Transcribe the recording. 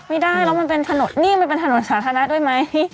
ไม่ได้แล้วมันเป็นถนนนิ่งมันเป็นถนนสาธารณะด้วยไหม